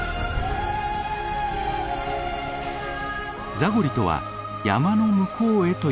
ザゴリとは山の向こうへという意味。